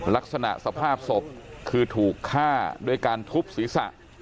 ลักษณะสภาพศพคือถูกฆ่าด้วยการทุบศีรษะ